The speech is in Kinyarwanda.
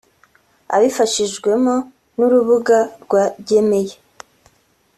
abifashijwemo n’urubuga rwa gemeya